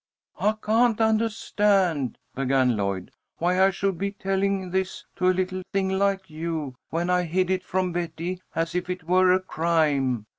"I can't undahstand," began Lloyd, "why I should be telling this to a little thing like you, when I hid it from Betty as if it were a crime.